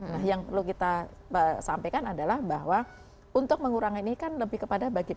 nah yang perlu kita sampaikan adalah bahwa untuk mengurangi ini kan lebih kepada bagi